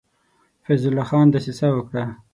فیض الله خان دسیسه وکړه.